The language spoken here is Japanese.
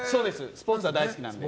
スポーツが大好きなので。